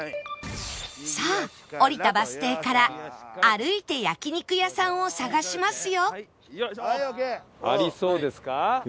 さあ降りたバス停から歩いて焼肉屋さんを探しますよ